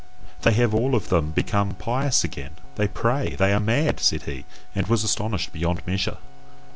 "They have all of them become PIOUS again, they PRAY, they are mad!" said he, and was astonished beyond measure.